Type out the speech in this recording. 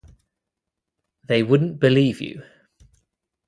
They wouldn't believe you.